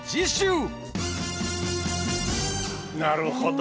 なるほど。